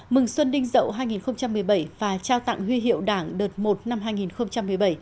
mừng xuân đinh dậu hai nghìn một mươi bảy và trao tặng huy hiệu đảng đợt một năm hai nghìn một mươi bảy